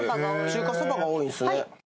中華そばが多いんすね